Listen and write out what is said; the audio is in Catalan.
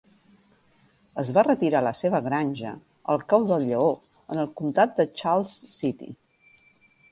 Es va retirar a la seva granja, el cau del lleó, en el comtat de Charles City.